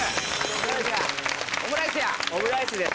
オムライスや！